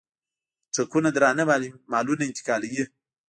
ټرکونه درانه مالونه انتقالوي.